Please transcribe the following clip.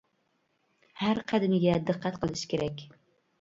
ھەر قەدىمىگە دىققەت قىلىش كېرەك!